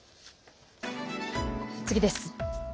次です。